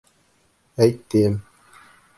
Әйт, тием!